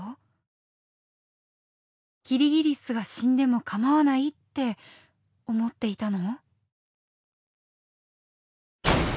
「キリギリスが死んでも構わない」って思っていたの？